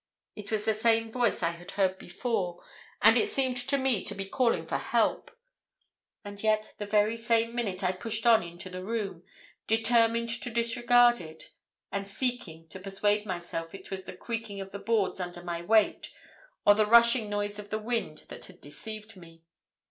It was the same voice I had heard before, and it seemed to me to be calling for help. And yet the very same minute I pushed on into the room, determined to disregard it, and seeking to persuade myself it was the creaking of the boards under my weight or the rushing noise of the wind that had deceived me.